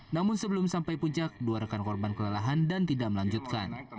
namun sebelum sampai puncak dua rekan korban kelelahan dan tidak melanjutkan